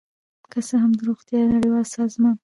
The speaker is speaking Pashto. که څه هم د روغتیا نړیوال سازمان